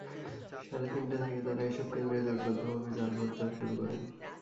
সাড়ে তিনটা থেকে তাঁরা এসব কেন্দ্রে জোটবদ্ধভাবে জাল ভোট দেওয়া শুরু করেন।